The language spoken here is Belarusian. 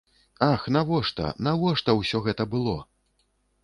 Ах, навошта, навошта ўсё гэта было?